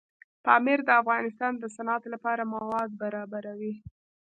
پامیر د افغانستان د صنعت لپاره مواد برابروي.